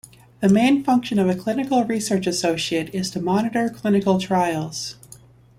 The main function of a clinical research associate is to monitor clinical trials.